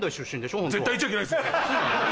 絶対言っちゃいけないやつ。